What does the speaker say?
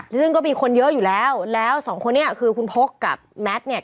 ซึ่งก็มีคนเยอะอยู่แล้วแล้วสองคนนี้คือคุณพกกับแมทเนี่ย